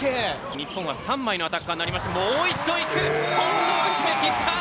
日本は３枚のになりまして、もう一度いく、今度は決めていった。